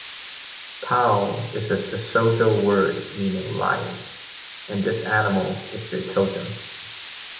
"Tau" is a Sesotho word meaning "lion", and this animal is their totem.